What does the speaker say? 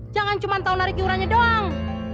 jangan cuma tahu narik iurannya doang